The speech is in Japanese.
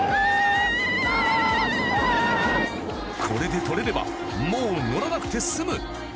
これで撮れればもう乗らなくて済む。